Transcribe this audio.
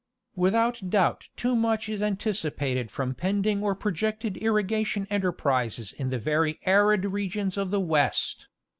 Without doubt too much is anticipated from pending or pro jected irrigation enterprises in the very arid regions of the West.